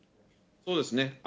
そうですね。